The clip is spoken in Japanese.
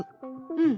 うん。